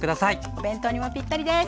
お弁当にもぴったりです。